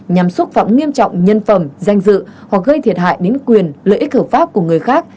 nhằm xúc phạm nghiêm trọng nhân phẩm danh dự hoặc gây thiệt hại đến quyền lợi ích hợp pháp của người khác